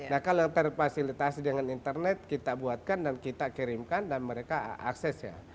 nah kalau yang terfasilitasi dengan internet kita buatkan dan kita kirimkan dan mereka akses ya